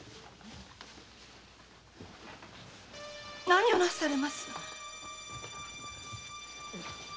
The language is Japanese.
何をなされます！